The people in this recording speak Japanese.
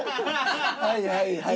はいはいはい。